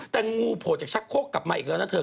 แต่งูโผล่จากชักโคกกลับมาอีกแล้วนะเธอ